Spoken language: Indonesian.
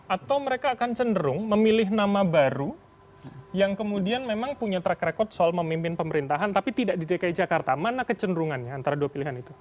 atau mereka akan cenderung memilih nama baru yang kemudian memang punya track record soal memimpin pemerintahan tapi tidak di dki jakarta mana kecenderungannya antara dua pilihan itu